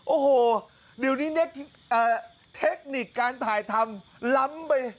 โอ้โหเดี๋ยวนี้เทคนิคการถ่ายทำล้ำไป